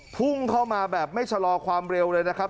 พุ่งเข้ามาแบบไม่ชะลอความเร็วเลยนะครับ